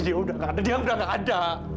dia sudah tidak ada